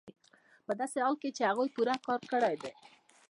په داسې حال کې چې هغوی پوره کار کړی دی